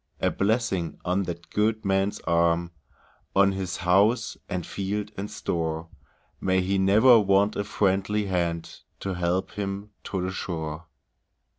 A blessing on that good man's arm, On his house, and field, and store; May he never want a friendly hand To help him to the shore!